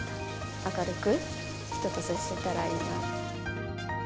明るく人と接せたらいいなって。